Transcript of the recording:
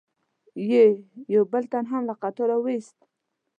یې یو بل تن هم له قطاره و ایست.